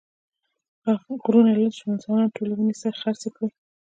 غرونه لوڅ شول، انسانانو ټولې ونې خرڅې کړې.